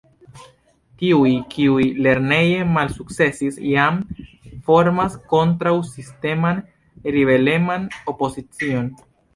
Tiuj, kiuj lerneje malsukcesis, jam formas kontraŭ-sisteman, ribeleman opozicion.